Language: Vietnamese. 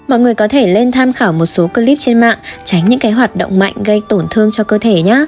mọi người có thể lên tham khảo một số clip trên mạng tránh những hoạt động mạnh gây tổn thương cho cơ thể nhé